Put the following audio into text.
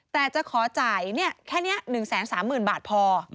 แต่จะขอจ่ายแค่นี้๑๓๐๐๐บาทพอ